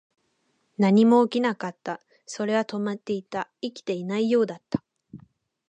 何も起きなかった。それは止まっていた。生きていないようだった。